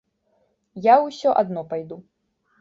Я ўсё адно пайду.